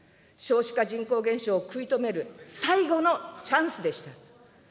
少子化人口減少を食い止める最後のチャンスでした。